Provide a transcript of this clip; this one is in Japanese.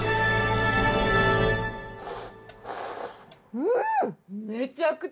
うん！